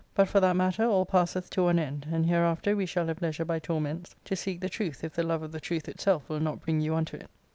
But, for that matter, all passeth to one end, and hereafter we shall have leisure by torments to seek the truth if the love of the truth itself will not bring you unto it.